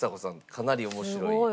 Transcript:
かなり面白い。